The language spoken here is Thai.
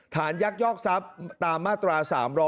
ฐานยักษ์ยอกทรัพย์ตามมาตรา๓๕๒